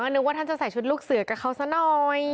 นึกว่าท่านจะใส่ชุดลูกเสือกับเขาซะหน่อย